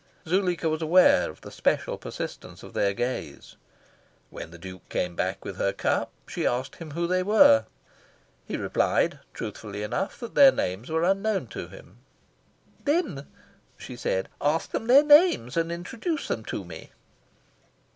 Zuleika was aware of the special persistence of their gaze. When the Duke came back with her cup, she asked him who they were. He replied, truthfully enough, that their names were unknown to him. "Then," she said, "ask them their names, and introduce them to me."